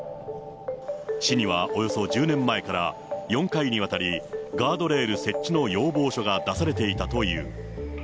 市にはおよそ１０年前から、４回にわたり、ガードレール設置の要望書が出されていたという。